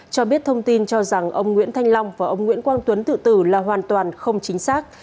cho biết thông tin cho rằng ông nguyễn thanh long và ông nguyễn quang tuấn tự tử là hoàn toàn không chính xác